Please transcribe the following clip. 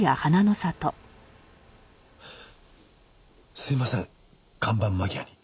すいません看板間際に。